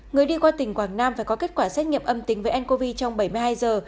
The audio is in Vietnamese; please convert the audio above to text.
người đi qua tỉnh quảng nam phải có kết quả xét nghiệm âm tính với ncov trong bảy mươi hai giờ